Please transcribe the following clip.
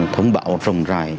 thông báo rồng rải